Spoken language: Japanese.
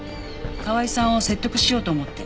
河合さんを説得しようと思って。